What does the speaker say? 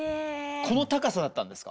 この高さだったんですか？